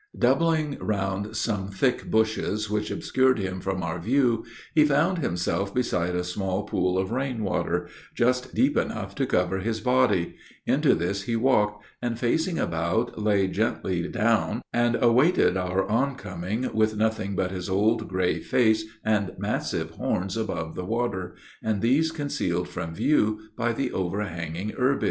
Doubling round some thick bushes, which obscured him from our view, he found himself beside a small pool of rain water, just deep enough to cover his body; into this he walked, and, facing about, lay gently down and awaited our on coming, with nothing but his old, gray face, and massive horns above the water, and these concealed from view by the overhanging herbage.